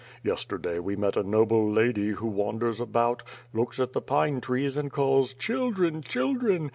Yesterday, we met a noble lady, who wanders about, looks at the pine trees and calls "Children, children!"